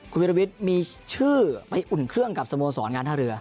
คุณวิรวิทย์มีชื่อไปอุ่นเครื่องกับสโมสรงานท่าเรือ